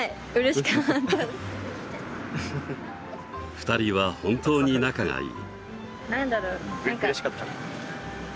２人は本当に仲がいい。